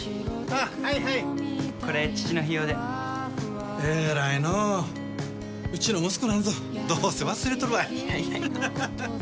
あはいはいこれ父の日用でえらいのーうちの息子なんぞどうせ忘れとるわいはっはっ